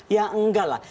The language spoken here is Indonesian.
ya enggak lah